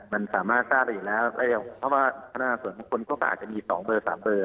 มันสามารถสร้าปได้อยู่แล้วแม้ว่าพนักงานสวดเมื่อคนก็อาจจะมี๒๓เบอร์อะไรแบบนี้นะ